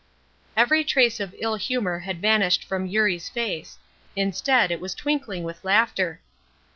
Every trace of ill humor had vanished from Eurie's face. Instead, it was twinkling with laughter.